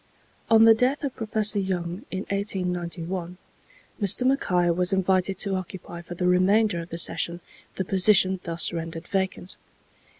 On the death of Professor Young, in 1891, Mr. Mackay was invited to occupy for the remainder of the session the position thus rendered vacant.